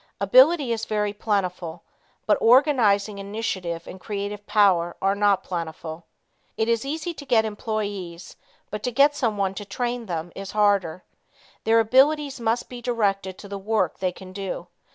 Ability is very plentiful, but organizing initiative and creative power are not plentiful. It is easy to get employees, but to get someone to train them is harder. Their abilities must be directed to the work they can do.